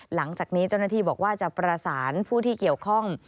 หลังจากนี้เจ้าหน้าที่บอกว่าจะประสานผู้ที่เกี่ยวข้อง